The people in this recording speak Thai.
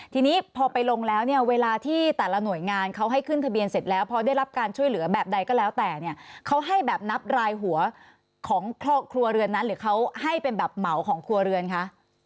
ทีนี้พอไปลงแล้วเนี่ยเวลาที่แต่ละหน่วยงานเขาให้ขึ้นทะเบียนเสร็จแล้วพอได้รับการช่วยเหลือแบบใดก็แล้วแต่เนี่ยเขาให้แบบนับรายหัวของครัวเรือนนั้นหรือเขาให้เป็นแบบเหมาของครัวเรือนคะ